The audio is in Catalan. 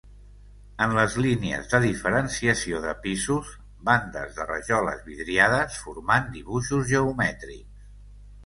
En les línies de diferenciació de pisos, bandes de rajoles vidriades formant dibuixos geomètrics.